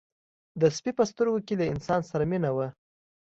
د سپي په سترګو کې له انسان سره مینه وه.